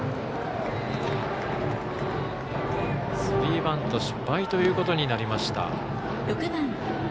スリーバント失敗ということになりました。